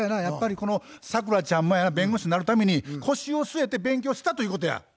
やっぱりこのサクラちゃんもやな弁護士になるために腰を据えて勉強したということや。